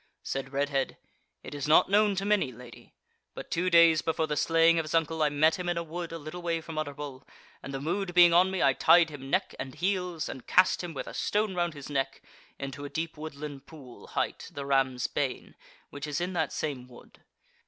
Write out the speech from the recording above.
Said Redhead: "It is not known to many, lady; but two days before the slaying of his uncle, I met him in a wood a little way from Utterbol, and, the mood being on me I tied him neck and heels and cast him, with a stone round his neck, into a deep woodland pool hight the Ram's Bane, which is in that same wood.